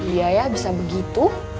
iya ya bisa begitu